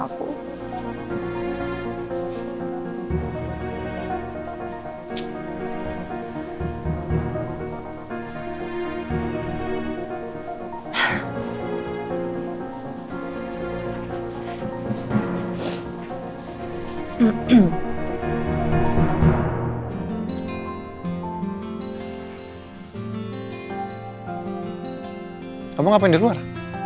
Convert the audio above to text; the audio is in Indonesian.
kamu ngapain di luar